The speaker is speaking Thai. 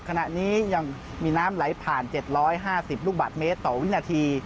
ขณะนี้ยังมีน้ำไหลผ่าน๗๕๐ลูกบาทเมตรต่อวินาที